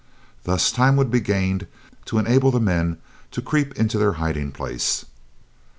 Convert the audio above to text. Thus time would be gained to enable the men to creep into their hiding place.